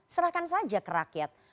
serahkan saja ke rakyat